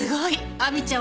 亜美ちゃん